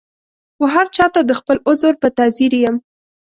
وهرچا ته د خپل عذر په تعذیر یم